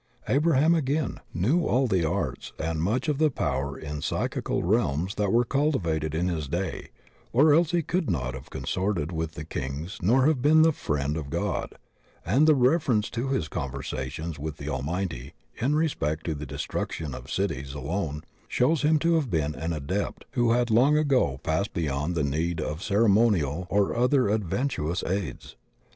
Abraham, again, knew all the arts and much of the power in psychical realms that were cultivated in his day, or else he could not have consorted with kings nor have been "the friend of God," and the reference to his conversations with the Almighty in respect to the destruction of cities alone shows him to have been an Adept who had long ago passed beyond the need of ceremonial or other adven titious aids.